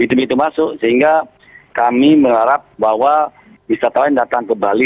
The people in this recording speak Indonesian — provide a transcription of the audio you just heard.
itu pintu masuk sehingga kami berharap bahwa wisatawan datang ke bali